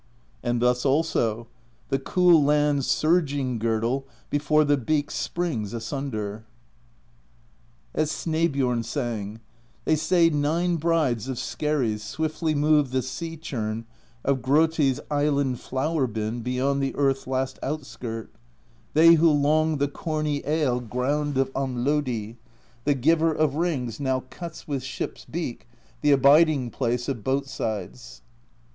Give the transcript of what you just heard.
And thus also: The cool lands' Surging Girdle Before the beaks springs asunder. I40 PROSE EDDA As Snaebjorn sang: They say nine brides of skerries Swiftly move the Sea Churn Of Grotti's Island Flour Bin Beyond the Earth's last outskirt, — They who long the corny ale ground Of Amlodi; the Giver Of Rings now cuts with ship's beak The Abiding Place of boat sides.